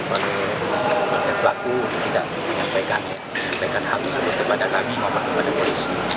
oleh pelaku tidak menyampaikan hal tersebut kepada kami maupun kepada polisi